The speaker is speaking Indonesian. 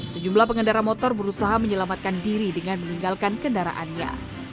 sejumlah pengendara motor berusaha menyelamatkan diri dengan meninggalkan kendaraannya